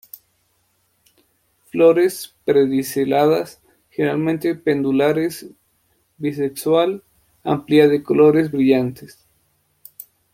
Flores pediceladas, generalmente pendulares, bisexual, amplia de colores brillantes.